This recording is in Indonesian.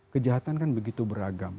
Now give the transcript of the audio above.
kejahatan kan begitu beragam